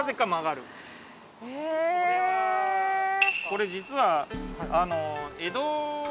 これ実は。